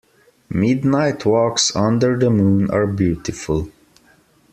Midnight walks under the moon are beautiful.